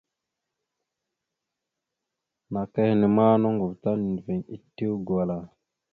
Naka henne ma noŋgov nendəviŋ etew gwala.